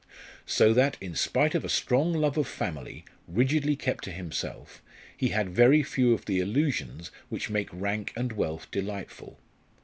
So that, in spite of a strong love of family, rigidly kept to himself, he had very few of the illusions which make rank and wealth delightful.